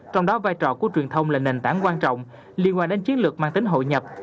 trong đó vai trò của truyền thông là nền tảng quan trọng liên quan đến chiến lược mang tính hội nhập